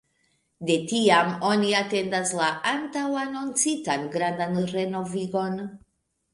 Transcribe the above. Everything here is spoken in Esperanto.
De tiam oni atendas la antaŭanoncitan grandan renovigon.